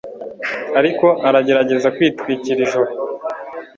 Ariko aragerageza kwitwikira ijoro